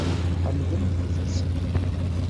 Tḥemmlemt-tt?